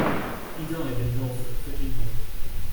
He died in Norfolk, Virginia.